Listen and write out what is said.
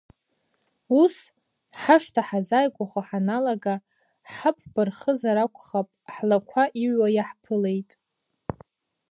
Ус, ҳашҭа ҳазааигәахо ҳаналага ҳаԥба рхызар акәхап ҳлақәа иҩуа иаҳԥылеит.